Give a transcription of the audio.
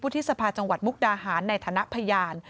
ที่สภาจังหวัดมุกดาหารในฐานะพยาน